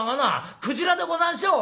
「鯨でござんしょう」。